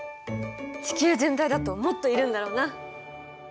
地球全体だともっといるんだろうな。